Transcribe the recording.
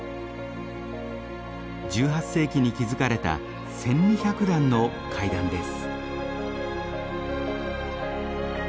１８世紀に築かれた１，２００段の階段です。